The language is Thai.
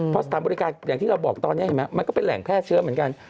เพราะสถานบริการอย่างที่เราบอกตอนนี้เห็นไหมมันก็เป็นแหล่งแพร่เชื้อเหมือนกัน